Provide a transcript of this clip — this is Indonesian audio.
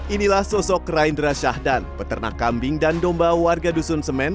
inilah sosok raindra syahdan peternak kambing dan domba warga dusun semen